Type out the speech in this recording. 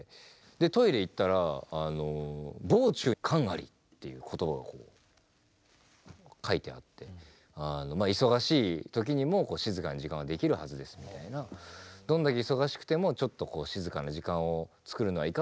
トイレ行ったら「忙中閑あり」っていう言葉が書いてあって忙しい時にも静かな時間はできるはずですみたいなどんだけ忙しくてもちょっと静かな時間を作るのはいかがですか？